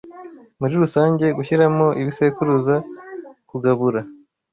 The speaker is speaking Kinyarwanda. muri rusange gushyiramo ibisekuruza kugabura